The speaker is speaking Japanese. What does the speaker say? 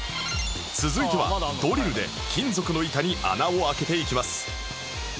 続いてはドリルで金属の板に穴を開けていきます